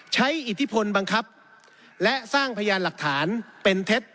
อิทธิพลบังคับและสร้างพยานหลักฐานเป็นเท็จ